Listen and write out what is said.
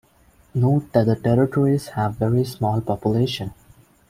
Note that the territories have very small population.